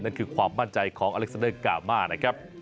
นั่นคือความมั่นใจของอเล็กซาเดอร์กามานะครับ